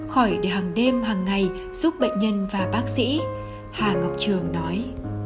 khỏi để hàng đêm hàng ngày giúp bệnh nhân và bác sĩ hà ngọc trường nói